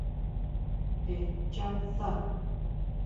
Jé schá sá?